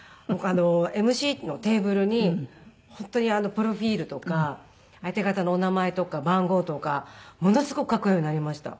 ＭＣのテーブルに本当にプロフィルとか相手方のお名前とか番号とかものすごく書くようになりました。